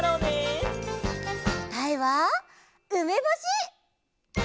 こたえはうめぼし！